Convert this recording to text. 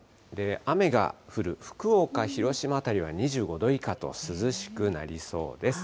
雨が降る福岡、広島辺りは２５度以下と涼しくなりそうです。